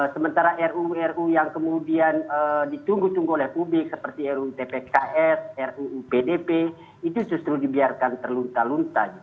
sementara ruu ruu yang kemudian ditunggu tunggu oleh publik seperti ruu tpks ruu pdp itu justru dibiarkan terlunta lunta